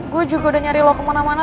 gue juga udah nyari lo kemana mana